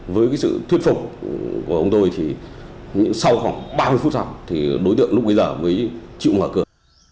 với sự thuyết phục của ông tôi thì sau khoảng ba mươi phút sau thì đối tượng lúc bây giờ mới chịu mở cửa